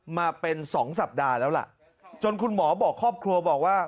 มาเป็นสองสัปดาห์แล้วล่ะจนคุณหมอบอกครอบครัวบอกว่า